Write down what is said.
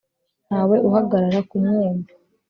ntawe uhagarara kumwumva